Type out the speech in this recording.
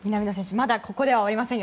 まだここでは終わりませんよ。